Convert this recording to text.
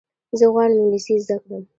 زه غواړم انګلیسي زده کړم.